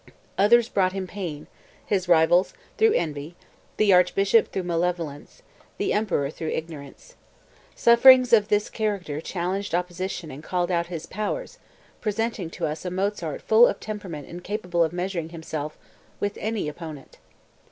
Others brought him pain, his rivals through envy, the Archbishop through malevolence, the Emperor through ignorance. Sufferings of this character challenged opposition and called out his powers, presenting to us a Mozart full of temperament and capable of measuring himself with any opponent.